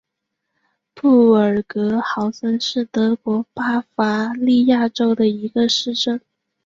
布尔格豪森是德国巴伐利亚州的一个市镇。